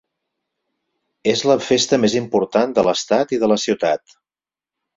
És la festa més important de l'estat i de la ciutat.